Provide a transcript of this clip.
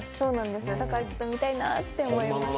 だから、ちょっと見たいなって思います。